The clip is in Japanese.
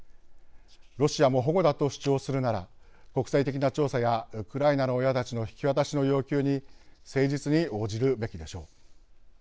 ロシアも保護だと主張するなら国際的な調査やウクライナの親たちの引き渡しの要求に誠実に応じるべきでしょう。